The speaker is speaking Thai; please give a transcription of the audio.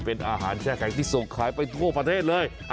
เป็นอาหารแช่แข็งที่ส่งขายไปทั่วประเทศเลย